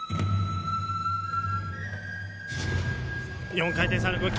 ４回転サルコー